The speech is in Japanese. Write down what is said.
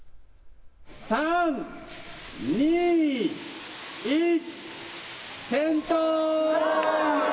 ３、２、１、点灯！